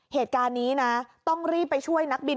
เหตุการณ์นี้นะต้องรีบไปช่วยนักบิน